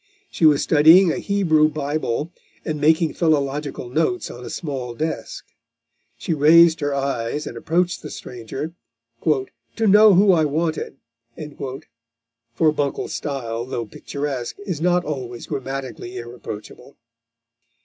She was studying a Hebrew Bible, and making philological notes on a small desk. She raised her eyes and approached the stranger, "to know who I wanted" (for Buncle's style, though picturesque, is not always grammatically irreproachable.)